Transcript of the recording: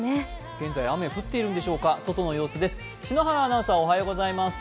現在、雨は降っているんでしょうか、外の様子です。